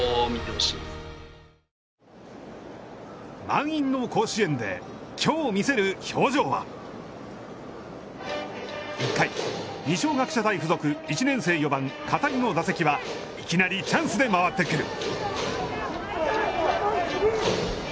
満員の甲子園できょう見せる表情は１回、二松学舎大付属１年生４番、片井の打席はいきなりチャンスで回ってくる。